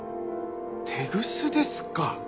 テグスですか。